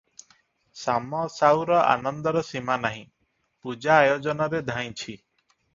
ଶାମ ସାଉର ଆନନ୍ଦର ସୀମା ନାହିଁ, ପୂଜା ଆୟୋଜନରେ ଧାଇଁଛି ।